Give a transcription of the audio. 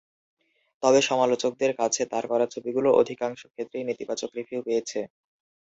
তবে সমালোচকদের কাছে তার করা ছবিগুলো অধিকাংশ ক্ষেত্রেই নেতিবাচক রিভিউ পেয়েছে।